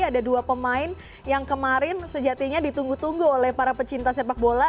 ada dua pemain yang kemarin sejatinya ditunggu tunggu oleh para pecinta sepak bola